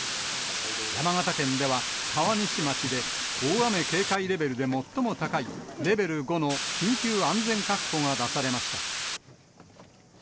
山形県では、川西町で大雨警戒レベルで最も高いレベル５の緊急安全確保が出されました。